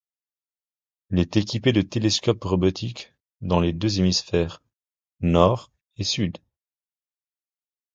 Il est équipé de télescopes robotiques dans les deux hémisphères, nord et sud.